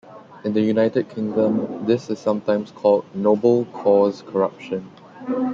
In the United Kingdom, this is sometimes called 'Noble Cause Corruption'.